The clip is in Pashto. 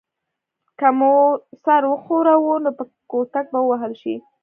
که مو سر وښوراوه نو په کوتک به ووهل شئ.